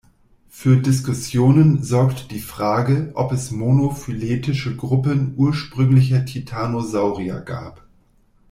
Für Diskussionen sorgt die Frage, ob es monophyletische Gruppen ursprünglicher Titanosaurier gab.